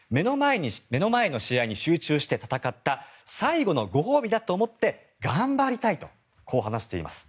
目の前の試合に集中して戦った最後のご褒美だと思って頑張りたいとこう話しています。